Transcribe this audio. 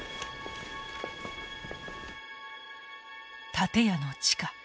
建屋の地下。